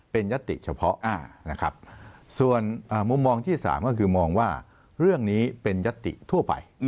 เป็นยัตติเฉพาะนะครับส่วนมุมมองที่๓ก็คือมองว่าเรื่องนี้เป็นยัตติทั่วไป